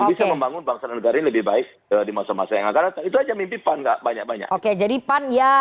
nah bapak nggak malu malu lho diusung sama wijen gimana